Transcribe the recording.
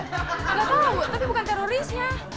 gak tau tapi bukan terorisnya